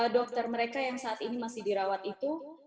dokter mereka yang saat ini masih dirawat itu